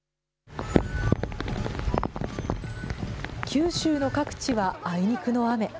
九州の各地はあいにくの雨。